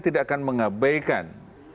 tidak akan mengabaikan